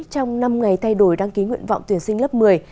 trong năm ngày thay đổi đăng ký nguyện vọng tuyển sinh lớp một mươi